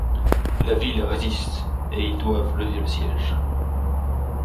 La ville résiste, et ils doivent lever le siège.